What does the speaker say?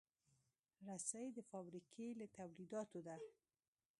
رسۍ د فابریکې له تولیداتو ده.